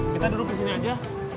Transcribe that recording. kita duduk di sini aja